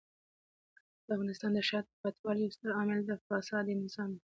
د افغانستان د شاته پاتې والي یو ستر عامل د فسادي نظام دی.